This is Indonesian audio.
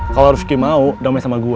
kalo rifki mau damai sama gue